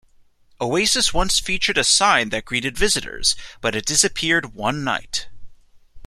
Oasis once featured a sign that greeted visitors but it disappeared one night.